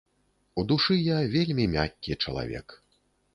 У душы я вельмі мяккі чалавек.